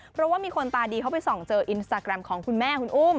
เพราะว่ามีคนตาดีเขาไปส่องเจออินสตาแกรมของคุณแม่คุณอุ้ม